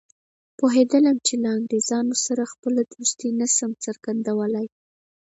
پوهېدلم چې له انګریزانو سره خپله دوستي نه شم څرګندولای.